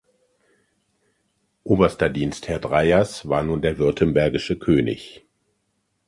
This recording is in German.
Oberster Dienstherr Dreyers war nun der württembergische König.